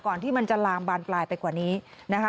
ที่มันจะลามบานปลายไปกว่านี้นะคะ